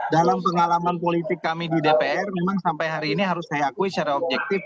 dalam pengalaman politik kami di dpr memang sampai hari ini harus saya akui secara objektif